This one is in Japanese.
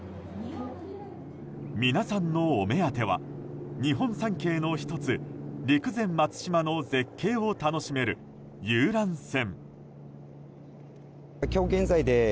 皆さんのお目当ては日本三景の１つ陸前松島の絶景を楽しめる遊覧船。